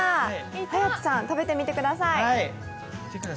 颯さん、食べてみてください。